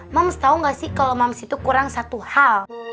moms tau gak sih kalo moms itu kurang satu hal